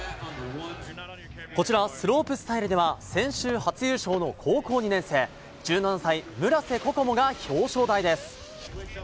こちらスロープスタイルでは先週、初優勝の高校２年生１７歳、村瀬心椛が表彰台です。